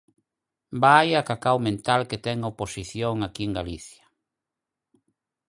Vaia cacao mental que ten a oposición aquí en Galicia.